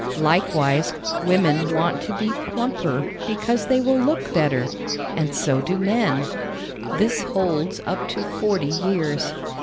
Likewise, women want to be plumper because they will look better and so do men. This holds up to forty years.